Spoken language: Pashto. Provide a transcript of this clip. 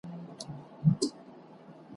پر ټول ښار باندي تیاره د شپې خپره وه `